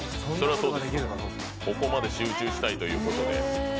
ここまで集中したいということで。